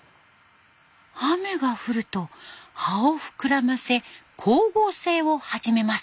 雨が降ると葉を膨らませ光合成を始めます。